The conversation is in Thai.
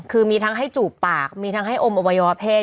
คือมีทั้งให้จูบปากมีทั้งให้อมอวัยวะเพศ